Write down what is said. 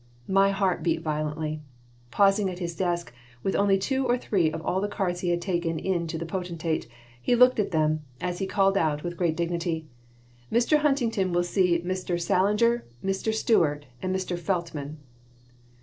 My heart beat violently. Pausing at his desk, with only two or three of all the cards he had taken to the potentate, he looked at them, as he called out, with great dignity: "Mr. Huntington will see Mr. Sallinger, Mr. Stewart, and Mr. Feltman."